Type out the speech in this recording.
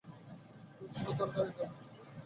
তোফু তরকারি ডাম্পলিং।